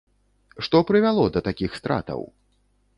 Што прывяло да такіх стратаў?